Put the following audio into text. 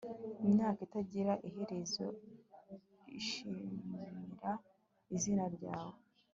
Imyaka itagira iherezo izishimira izina ryawe